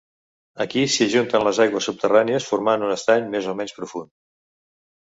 Aquí s'hi ajunten les aigües subterrànies, formant un estany més o menys profund.